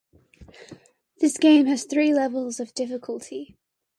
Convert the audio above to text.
The game has three levels of difficulty.